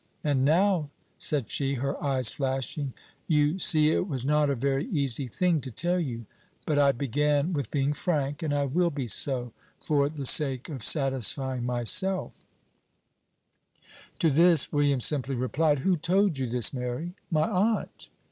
And now," said she, her eyes flashing, "you see it was not a very easy thing to tell you, but I began with being frank, and I will be so, for the sake of satisfying myself." To this William simply replied, "Who told you this, Mary?" "My aunt."